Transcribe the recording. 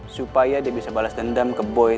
supaya dia bisa balas dendam ke boy